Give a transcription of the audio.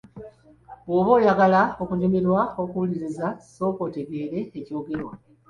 Bw'oba oyagala okunyumirwa okuwuliriza sooka otegeere ekyogerwa.